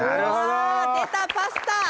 わ出たパスタ！